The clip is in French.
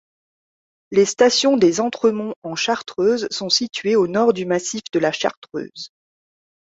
Les stations des Entremonts-en-Chartreuse sont situées au nord du massif de la Chartreuse.